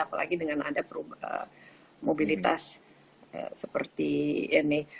apalagi dengan ada mobilitas seperti ini